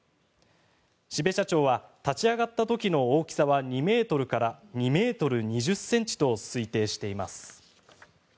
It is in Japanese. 標茶町は立ち上がった時の大きさは２ｍから２ｍ２０ｃｍと推定しています。